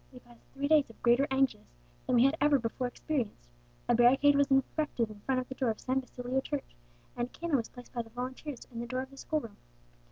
We passed three days of greater anguish than we had ever before experienced. A barricade was erected in front of the door of San Basilio Church, and a cannon was placed by the volunteers in the door of the schoolroom.